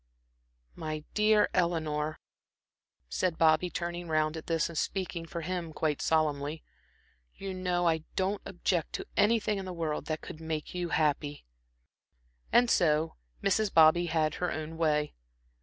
"My dear Eleanor," said Bobby, turning round at this and speaking for him quite solemnly. "You know I don't object to anything in the world that could make you happy." And so Mrs. Bobby had her own way.